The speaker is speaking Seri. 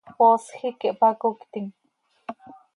¡Poosj hipquih hpacoctim!